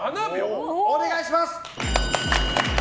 お願いします！